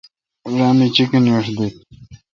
را می چیکینیش دیت۔